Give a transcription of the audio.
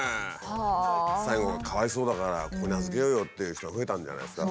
最後がかわいそうだからここに預けようよっていう人が増えたんじゃないんですか。